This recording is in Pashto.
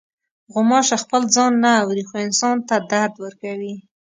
غوماشه خپل ځان نه اوري، خو انسان ته درد ورکوي.